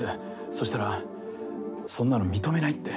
そしたらそんなの認めないって。